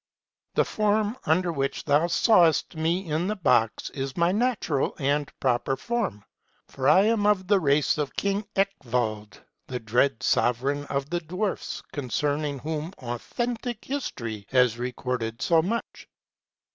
The form under which thou sawest me in the box is my natural and proper form ; for I am of the race of King Eckwald, the dread sovereign of the dwarfs, concerning whom authentic history has recorded so much.